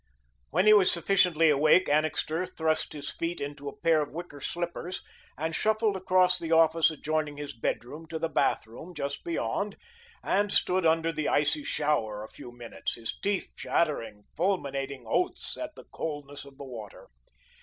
When he was sufficiently awake, Annixter thrust his feet into a pair of wicker slippers, and shuffled across the office adjoining his bedroom, to the bathroom just beyond, and stood under the icy shower a few minutes, his teeth chattering, fulminating oaths at the coldness of the water.